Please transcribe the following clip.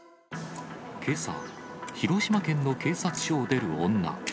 けさ、広島県の警察署を出る女。